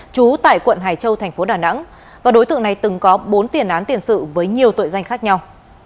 chú tại quận hải châu tp đà nẵng đối tượng này từng có bốn tiền án tiền sự với nhiều tội danh khác nhau